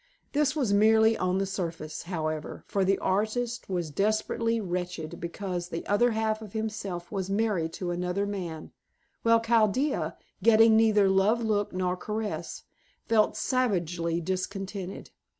This was merely on the surface, however, for the artist was desperately wretched, because the other half of himself was married to another man, while Chaldea, getting neither love look nor caress, felt savagely discontented.